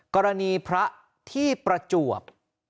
กรณีพระที่ประจวบ